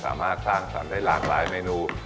สามารถสร้างสรรค์ได้หลากหลายเมนู